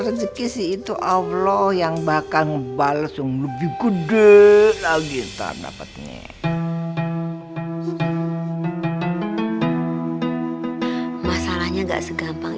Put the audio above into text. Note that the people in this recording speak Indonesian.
rezeki itu allah yang bakal ngebales yang lebih gede lagi tanah peti masalahnya enggak segampang